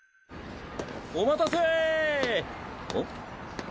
お待たせ。